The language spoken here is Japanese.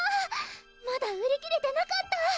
まだ売り切れてなかった！